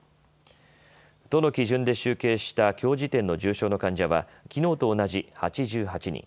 都の基準で集計したきょう時点の重症の患者はきのうと同じ８８人。